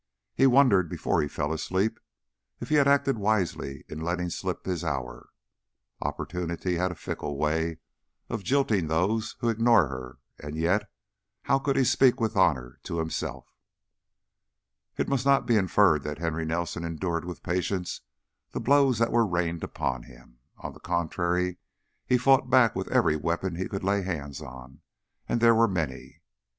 He wondered, before he fell asleep, if he had acted wisely in letting slip his hour. Opportunity has a fickle way of jilting those who ignore her, and yet how could he speak with honor to himself? It must not be inferred that Henry Nelson endured with patience the blows that were rained upon him. On the contrary, he fought back with every weapon he could lay hands upon, and there were many.